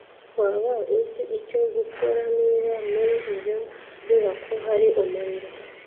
Waba uzi icyo gukora niba muri iyo nyubako hari umuriro